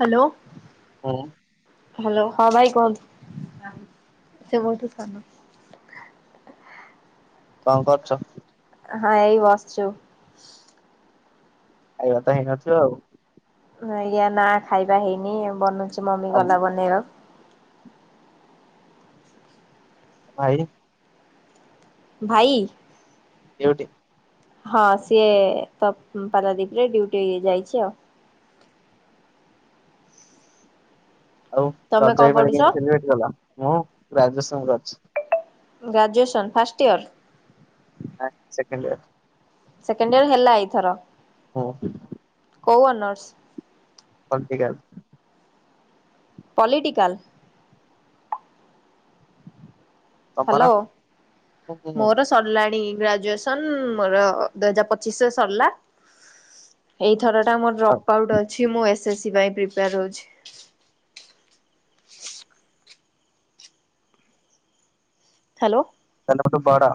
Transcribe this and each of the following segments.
Hello. ହୁଁ। Hello ହଁ ଭାଇ କହନ୍ତୁ ସେ ମୋଠୁ ସାନ। କଁ କରୁଚ? ହଁଉ ବସଚୁ। ଖାଇବା ତ ହେଇନଥିବ ଆଉ? ନାଇଁ ଗା ନାଁ ଖାଇବା ହେଇନି ବନୁଚି ମମି ଆଉ ଗଲା ବନେଇବା ଭାଇ ଭାଇ ଡ୍ୟୁଟି ହଁ ସିଏ ତ ପାରାଦୀପ ରେ ଡ୍ୟୁଟି ଯାଇଚି ଆଉ। ଆଉ ତମେ ରାଜା କଣ ଭାଇ ପାଇଁ ପଢୁଛ? କେମତି ଥିଲେଟ କଲ? ମୁଁ ଗ୍ରାଜୁଏସନ କରିଛି। Graduation first year? ନାଁ ସେକେଣ୍ଡୟର। ସେକେଣ୍ଡ ଇୟର ହେଲା ଏଇଥର? ହୁଁ। କୋଉ ଅନର୍ସ? ପଲଟିକାଲ। ପଲିଟିକାଲ୍। ହାଲୋ ତମର? ହୁଁ ହୁଁ ହୁଁ। ମୋର ସରିଲାଣି ଗ୍ରାଜୁଏସନ ମୋର ଦୁଇ ହଜାର ପଚିଶରେ ସରଲା। ଏଇଥର ଟା ମୋର ଆଉ ଡ୍ରପ୍ ଆଉଟ୍ ଅଛି ମୁଁ ଏସ୍ ଏସ୍ ସି ପାଇଁ ପ୍ରିପେୟାର ହଉଚି। ହାଲୋ। ତମେ ଠୁ ବଡ।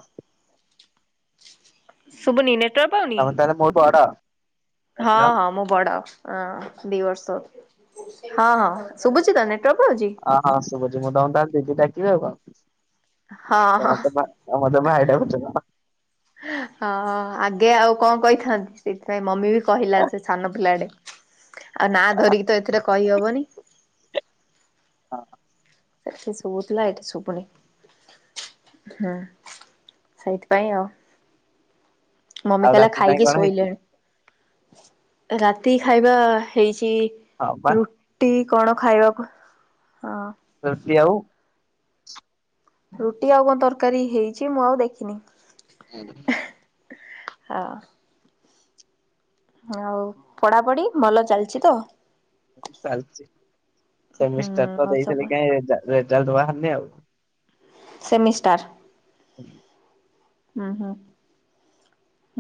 ଶୁବୁନି ନେ ତମେ ତାହେଲେ ମୋ ବଡ? ହଁ ବୁଝିଲ। ହଁ ମୁଁ ବଡ ଅଁ ଦି ବର୍ଷ। ହଁ ହଁ ଶୁବୁଚି ତ ନେଟୱାର୍କ ପାଉଚି? ହଁ ହଁ ଶୁବୁଚି ମୁଁ ତମକୁ ତାହେଲେ ଦିଦି ଡାକିବି ଆଉ କଣ। ହଁ ହଁ ତମେ ତ ଭା ତମେ ତ ଭାଇ ଡାକୁଚ ପା। ହଁ ହଁ ଆଗେ ଆଉ କଁ କହିଥାନ୍ତି ସେଇଥିପାଇଁ ମମି କହିଲା ସେ ସାନ ପିଲାଡେ ଆଉ ନାଁ ଧରିକି ତ ଏଥିରେ କହି ହବନି। ହଁ ସେଠି ଶୁବୁଥିଲା ଏଠି ଶୁବୁନି। ହୁଁ ସେଇଥିପାଇଁ ଆଉ। ମମି ଆଉ କହିଲା ରାତି ପାଇଁ ଖାଇକି କଣ ହେଇଛି ଶୋଇଲେଣି ରାତି ଖାଇବା ହେଇଚି ହଁ ବା ରୁ ଟି କଣ ଖାଇବାକୁ ହଁ ରୁଟି ଆଉ? ରୁଟି ଆଉ କଁ ତରକାରୀ ହେଇଚି ମୁଁ ଆଉ ଦେଖିନି। ହୁଁ ହଁ। ହୋଉ ପଢାପଢି ଭଲ ଚାଲଚି ତ? ସବୁ ଚାଲଚି ହୁଁ ସେମିଷ୍ଟାର ତ ଭଲସେ ପଢ଼ ଦେଇଥିଲି କାଇଁ ରେଜା ରେଜାଲ୍ଟ ବାହାରିନି ଆଉ। ସେମିଷ୍ଟାର ଉଁ ହୁଁ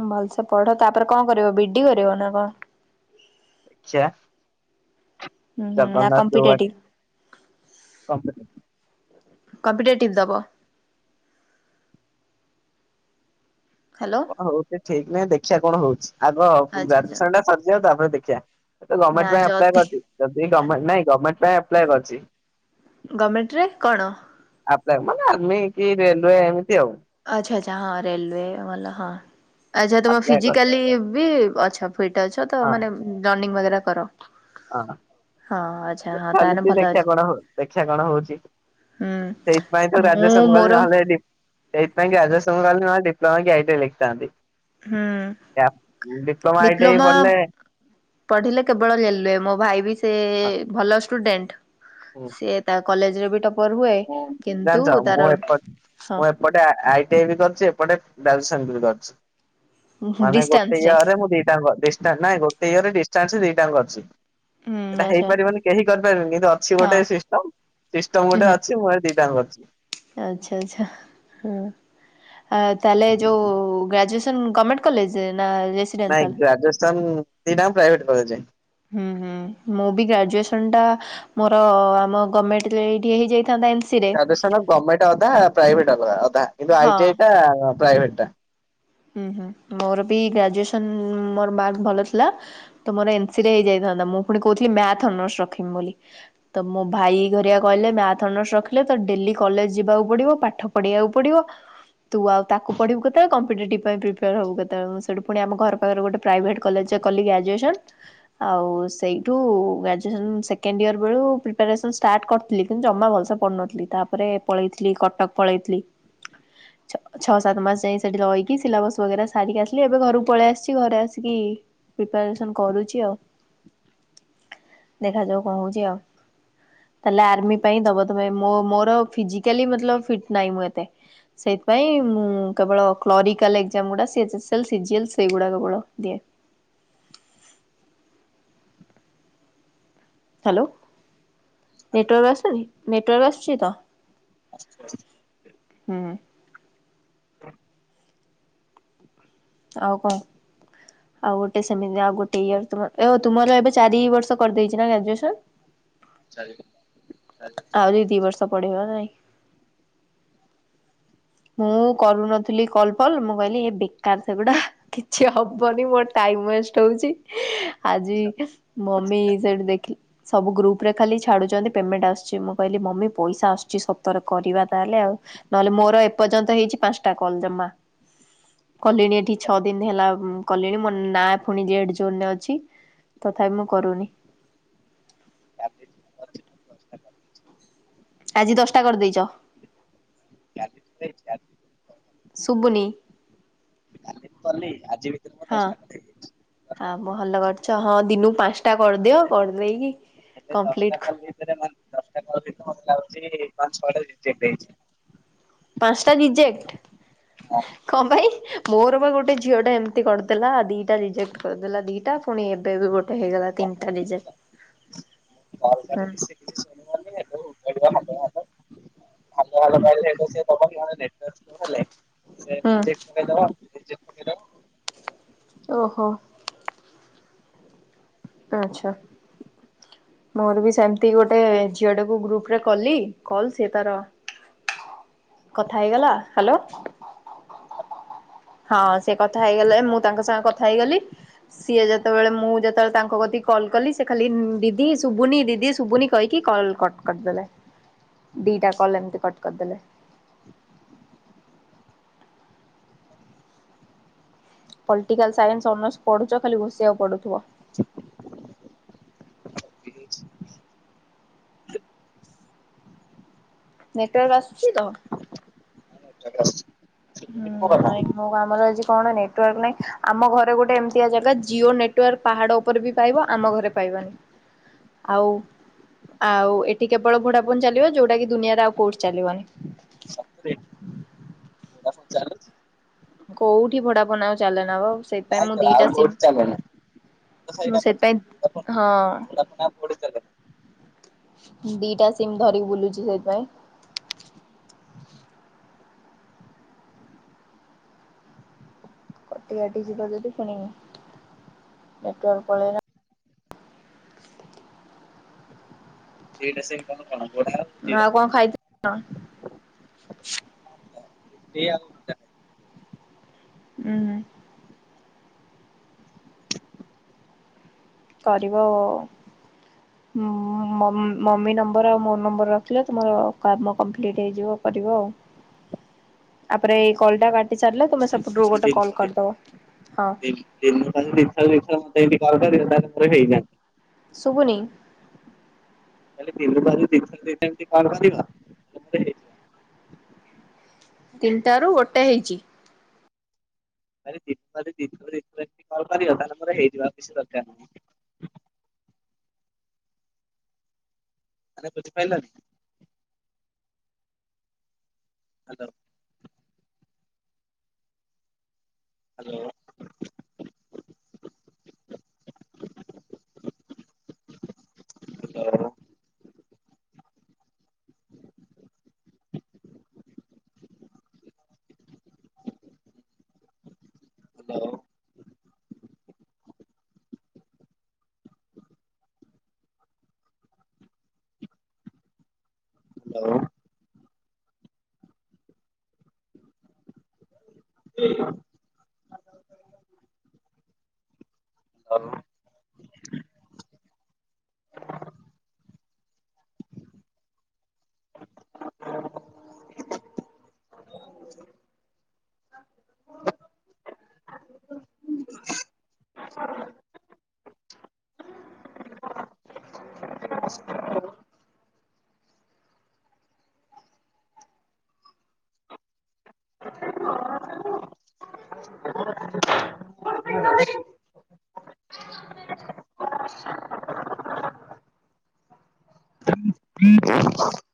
ଭଲସେ ପଢ ତାପରେ କଁ କରିବ ବିଡି କରିବ ନା କଁ? ଦେଖିଆ ହୁଁ ହୁଁ ନା ଜଗନ୍ନାଥ ଯୋଉ ବାଟ କମ୍ପିଟେବ୍ କମ୍ପି କମ୍ପିଟେଟିବ ଦବ। ହାଲୋ ହଉଛି ଠିକ୍ ନାହିଁ ଦେଖିବା କଣ ହଉଛି ଆଗ ଆଚ୍ଛା ଆଚ୍ଛା। ଗ୍ରାଜୁଏସନ୍ ଟା ସରିଯାଉ ତାପରେ ଦେଖିଆ। ନା ଗମେଣ୍ଟ୍ ପାଇଁ ଆପ୍ଲାଏ ଯଦି କରିଛି ଯଦି ଗମେଣ୍ଟ୍ ନାଇଁ ଗମେଣ୍ଟ୍ ପାଇଁ ଆପ୍ଲାଏ କରିଛି। ଗମେଣ୍ଟ୍ ରେ କଣ। ଆପ୍ଲାଏ ମାନେ ଆର୍ମି କି ରେଲୱେ ଏମିତି ଆଉ। ଆଚ୍ଛା ଆଚ୍ଛା ହଁ ରେଲୱେ ଭଲ ହଁ ଆଚ୍ଛା ତମେ ଆପ୍ଲାଏ କରି ଫିଜିକାଲି ବି ଅଛ। ଫିଟ୍ ଅଛ ତ ହଁ ମାନେ ରନିଙ୍ଗ୍ ବଗେରା କର। ହଁ ହଁ ଆଚ୍ଛା ହଁ ତାହେଲେ ଚାଲିଛି ଭଲ ଅଛି ଦେଖିବା କଣ ହ ଦେଖିବା କଣ ହଉଛି। ହୁଁ ସେଇଥିପାଇଁ ତ ମୁଁ ଗ୍ରାଜୁଏସନ କଲି ମୋର ନହଲେ ଡିପ। ସେଇଥିପାଇଁ ଗ୍ରାଜୁଏସନ୍ କଲି ନହେଲେ ଡି୍ପ୍ଲୋମା କି ଆଇ ଟି ଆଇ ଲେଖିଥାନ୍ତି। ହୁଁ ୟା diploma I T I diploma ପଢିଲେ। ପଢିଲେ କେବଳ ରେଲୱେ ମୋ ଭାଇ ବି ସେ ଭଲ ଷ୍ଟୁଡେଣ୍ଟ୍। ହୁଁ। ସିଏ ତା କଲେଜରେ ବି ଟପ୍ପର ହୁଏ କିନ୍ତୁ ଜାଣିଛ ମୁଁ ତାର ଏପଟ ହଁ। ମୁଁ ଏପଟେ ଆଇ ଟି ଆଇ ବି କରିଛି ଏପଟେ ଗ୍ରାଜୁଏସନ୍ ବି କରିଛି। ମାନେ ଗୋଟେ ଡିଷ୍ଟାନ୍ସରେ ଇୟରରେ ମୁଁ ଦିଟାଙ୍କ ଡିଷ୍ଟାନ୍ସ ରେ ନାଇଁ ଗୋଟେ ଇୟରରେ ଡିଷ୍ଟାନ୍ସ ଦିଟାଙ୍କ ଅଛି। ହୁଁ ଏଇଟା ଆଚ୍ଛା ହେଇପାରିବନି କେହି କରିପାରିବେନି କିନ୍ତୁ ଅଛି ହଁ ଗୋଟେ ସିଷ୍ଟମ ସିଷ୍ଟମ ହୁଁ ଗୋଟେ ହୁଁ ଅଛି। ଅଛି ମୁଁ ଏ ଦିଟାଙ୍କ କରିଛି। ଆଚ୍ଛା ଆଚ୍ଛା ହଁ ତାହେଲେ ଯୋଉ ଗ୍ରାଜୁଏସନ୍ ଗମେଣ୍ଟ। କଲେଜ ନା ରେ ନା ରେଶ୍। ନାଇଁ ଗ୍ରାଜୁଏସନ୍ ଦିଟାଙ୍କ ପ୍ରାଇଭେଟ୍ କଲେଜରେ। ହୁଁ ହୁଁ ମୁଁ ବି ଗ୍ରାଜୁଏସନ୍ ଟା। ମୋର ଆମ ଗଭର୍ଣ୍ଣମେଣ୍ଟରେ ହେଇଯାଇଥାନ୍ତା ଏଇଠି। ଗ୍ରାଜୁଏସନ ଗର୍ଣମେଣ୍ଟ ଅଧା ପ୍ରାଇଭେଟ୍ ଅଧା କିନ୍ତୁ ହଁ ଆଇ ଟି ଆଇ ଟା ପ୍ରାଇଭେଟ୍ ଟା। ହୁଁ ହୁଁ ମୋର ବି ଗ୍ରାଜୁଏସନ୍ ମୋର ମାର୍କ ଭଲ ଥିଲା। ତ ମୋର ଏମ୍ ସି ରେ ହେଇଯାଇଥାନ୍ତା ମୁଁ ପୁଣି କହୁଥିଲି ମ୍ୟାଥ୍ ଅନର୍ସ ରଖିବି ବୋଲି। ତ ମୋ ଭାଇ ଘରିଆ କହିଲେ ମ୍ୟାଥ୍ ଅନର୍ସ ରଖିଲେ ତତେ ଡେଲି କଲେଜ ଯିବାକୁ ପଡ଼ିବ ପାଠ। ପଢିବାକୁ ପଡିବ ତୁ ଆଉ ତାକୁ ପଢିବୁ କେତେବେଳେ କମ୍ପିଟେଟିଭ। ସେଥିପାଇଁ ପ୍ରିପେୟାର ହବୁ କେତେବେଳେ ମୁଁ ସେଠୁ ପୁଣି ଆମ ଘର ପାଖରେ ଗୋଟେ ପ୍ରାଇଭେଟ୍ କଲେଜରେ କଲି ଗ୍ରାଜୁଏସନ୍। ଆଉ ସେଇଠୁ ଗ୍ରାଜୁଏସନ୍ ସେକେଣ୍ଡ ଇୟର ବେଳୁ ପ୍ରିପାରେସନ୍ ଷ୍ଟାର୍ଟ କରି। ଥିଲି କିନ୍ତୁ ଜମା ଭଲସେ ପଢୁନଥିଲି ତାପରେ ପଳେଇଥିଲି କଟକ ପଳେଇଥିଲି। ଛ ଛଅ ସାତ ମାସ ଯାଇ ସେଠି ରହିକି। କି ସିଲାବସ୍ ବଗେରା ସାରିକି ଆସିଲି ଏବେ ଘରକୁ ପଳେଇ ଆସିଛି ଘରେ ଆସିକି। ପ୍ରିପାରେସନ୍ କରୁଛି ଆଉ ଦେଖାଯାଉ କଣ ହଉଛି ଆଉ। ତାହାଲେ ଆର୍ମି ପାଇଁ ଦବ ତମେ ମୋ ମୋର ଫିଜିକାଲି ମତଲବ୍ ଫିଟ୍ ନାହିଁ ମୁଁ ଏତେ। ସେଇଥିପାଇଁ ମୁଁ କେବଳ। କ୍ଳରିକାଲ ଏକଜାମ୍ ଗୁଡ଼ା C H S L, C G L ସେଇ ଗୁଡ଼ା କେବଳ ଦିଏ। ହ୍ୟାଲୋ ନେଟୱାର୍କ ଆସୁନି ନେଟୱାର୍କ ଆସୁଛି ତ। ଆସୁଛି ଆସୁଛି। ହୁଁ। ଆଉ କଣ। ଆଉ ଗୋଟେ ସେମିତି ଆଉ ଗୋଟେ ଇୟର ତମ ଓ ତୁମର ଏବେ ଚାରି ବର୍ଷ କରିଦେଇଛି ନା ଗ୍ରାଜୁଏସନ୍। ଚାରି। ଆହୁରି ଦି ବର୍ଷ ପଢିବ ନାଇଁ। ମୁଁ କରୁନଥିଲି କଲ୍ ଫଲ୍ ମୁଁ କହିଲି ଏ ବେକାର ସେଗୁଡା। କିଛି ହବନି ମୋର ଟାଇମ୍ ୱେଷ୍ଟ ହଉଛି ଆଜି। ମମି ସେଇଠି ଦେଖିକି। ସବୁ ଗ୍ରୁପ ରେ ଖାଲି ଛାଡୁଛନ୍ତି ପେମେଣ୍ଟ୍ ଆସୁଛି ମୁଁ କହିଲି ମମି ପଇସା ଆସୁଛି ସତରେ କରିବା ତାହେଲେ ଆଉ। ନହେଲେ ମୋର ଏପ୍। ଏପର୍ଯ୍ୟନ୍ତ ହେଇଛି ପାଞ୍ଚଟା କଲ୍ ଜମା କଲିଣି ଏଠି ଛଅ ଦିନ ହେଲା। କଲିଣି ମୋ ନାଁ ପୁଣି ରେଡ୍ ଜୋନ ରେ ଅଛି, ତଥାପି ମୁଁ କରୁନି। କାଲି ସୁଧା ଦିନକୁ ଦଶଟା କରିଦେଉଛି। ଆଜି ଦଶଟା କରିଦେଇଛ? ଶୁବୁନି? କାଲି ମୁଁ କଲି ଆଜି ଭିତରେ ମୁଁ ଦଶଟା କରିଦେଥିବି। ହଁ ଭଲ କରିଛ ହଁ ଦିନକୁ ପାଞ୍ଚଟା କରିଦିଅ କରିଦେଇକି କମ୍ପ୍ଲିଟ ଭିତରେ ମାନେ ଦଶଟା କରିଦେଇଚି ମତେ ଲାଗୁଛି ପାଞ୍ଚ ଛଅଟା ରିଜେକ୍ଟ ହେଇଛି। ପାଞ୍ଚଟା ରିଜେକ୍ଟ? ହଁ। କଣ ପାଇଁ? ମୋର ବା ଗୋଟେ ଝିଅ ଟା ଏମିତି କରିଦେଲା ଦିଟା ରିଜେକ୍ଟ କରିଦେଲା ଦିଟା। ପୁଣି ଏବେ ବି ଗୋଟେ ହେଇଗଲା ତିନିଟା ରିଜେକ୍ଟ, ହୁଁ। କିଛି ଶୁଣିବନି ଏବେ [unintelligible] [inaudible] ନହେଲେ ହଁ। ଦେଇଦବ। ଓହୋ। ଆଛା। ମୋର ବି ସେମିତି ଗୋଟେ ଝିଅଟାକୁ ଗ୍ରୁପ ରେ କଲି, କଲ୍ ସିଏ ତାର କଥା ହେଇଗଲା, ହ୍ୟାଲୋ। ହଁ ସେ କଥା ହେଇଗଲେ ମୁଁ ତାଙ୍କ ସାଙ୍ଗ କଥା ହେଇଗଲି। ସିଏ ଯେତେବେଳେ ମୁଁ ଯେତେବେଳେ ତାଙ୍କ କତିକି କଲ୍ କଲି, ସେ ଖାଲି ଦିଦି ଶୁବୁନି ଦିଦି ଶୁବୁନି କହିକି କଲ୍ କଟ କରିଦେଲେ ଦିଟା କଲ ଏମତି କଟ୍ କରିଦେଲେ। ପଲିଟିକାଲ ସାଇନ୍ସ ସମସ୍ତେ ପଢୁଛ ଖାଲି ଘସିବାକୁ ପଢୁଥିବ। ନେଟୱାର୍କ ଆସୁଛି ତ? ହଁ ନେଟୱାକ୍ ଆସୁଚି। ହୁଁ ନାଇଁ ମୋ ଆମର ଆଜି କଣ ନେଟୱାର୍କ ନାଇଁ। ଆମ ଘରେ ଗୋଟେ ଏମିତିଆ ଜାଗା ଜିଓ ନେଟୱାର୍କ ପାହାଡ ଉପରେ ବି ପାଇବ ଆମ ଘରେ ପାଇବନି। ଆଉ ଆଉ ଏଠି କେବଳ ଭୋଡା ଫୋନ୍ ଚାଲିବ ଯୋଉଟା କି ଦୁନିଆରେ ଆଉ କୋଉଠି ଚାଲିବନି। କୋଉଠି ଭୋଡା ଫୋନ ଆଉ ଚାଲନା ବାଉ ସେଇ ସେଥି ପାଇଁ ମୁଁ ଦିଟା ସିମ ମୁଁ ସେଥିପାଇଁ ହଁ। ଭୋଡା ଫୋନ [inaudible] ଦିଟା ସିମ ଧରିକି ବୁଲୁଛି ସେଇଥିପାଇଁ। କଟି କାଟି ଯିବ ଯଦି ପୁଣି ନେଟୱାକ୍ ପଳେଇଲା ଦିଟା ସିମ କଲ କଣ? ଭୋଡା ଆଉ କଣ ଖାଇଥିଲ? ଏଇଆଉ ହୁଁ। କରିବ ଅ ମ ମମି ମମି ନମ୍ବର ଆଉ ମୋ ନମ୍ବର ରଖିଲ, ତୁମର କାମ କମ୍ପ୍ଲିଟ୍ ହେଇଯିବ କରିବ ଆଉ। ହ ତାପରେ ଏଇ କଲ୍ ଟା କାଟି ସାରିଲେ ତମେ ସେପଟରୁ ଗୋଟେ କଲ୍ କରିଦବ, ହଁ। ଦିନକୁ ଖାଲି ଯଦି ଇଛା ଇଛା ମତେ ଏମିତି କଲ କରିବେ ତାହେଲେ ମୋର ହେଇଯାଆନ୍ତା। ଶୁଭୁନି? ମୁଁ କହିଲି ଦିନକୁ ଆଜି ଦିଥର ଦିଥର ଏମତି କଲ କରିବ? ତିନିଟାରୁ ଗୋଟେ ହେଇଛି? କହିଲି ଦିଥର ଦିଥର ଏମତି କଲ୍ କରିବ ତାହେଲେ ମୋର ହେଇଯିବ, କିଛି ଦରକାର ନାହିଁ। ଆରେ ବୁଝି ପାଇଲନି? ହାଲୋ। ହାଲୋ? [unintelligible]